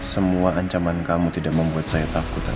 semua ancaman kamu tidak membuat saya takut